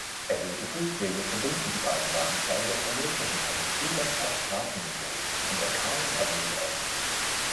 Erhöhte Fußwege verbinden die beiden Bahnsteige und ermöglichen einen Zugang auf Straßenniveau von der Carling Avenue aus.